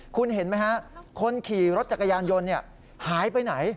คุณเห็นไหมฮะคนขี่รถจักรยานยนต์หายไปไหน